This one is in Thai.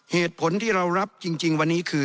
เหตุผลที่เรารับจริงวันนี้คือ